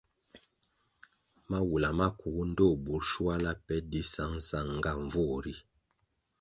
Mawula makugu, ndtoh burʼ shuala pe di sangsang nga nvur ri,